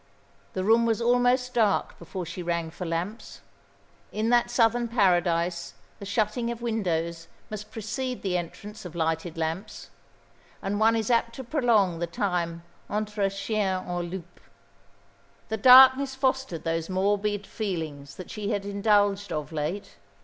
The room was almost dark before she rang for lamps. In that southern paradise the shutting of windows must precede the entrance of lighted lamps; and one is apt to prolong the time entre chien et loup. The darkness fostered those morbid feelings that she had indulged of late.